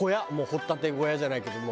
掘っ立て小屋じゃないけど。